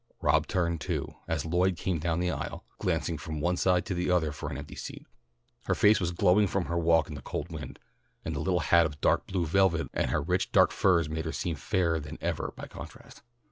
Rob turned too, as Lloyd came down the aisle, glancing from one side to another for an empty seat. Her face was glowing from her walk in the cold wind, and the little hat of dark blue velvet and her rich dark furs made her seem fairer than ever by contrast.